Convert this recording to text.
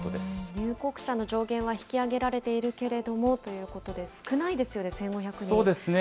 入国者の上限は引き上げられているけれどもということで、少そうですね。